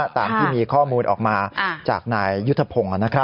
ตามที่มีข้อมูลออกมาจากนายยุทธพงศ์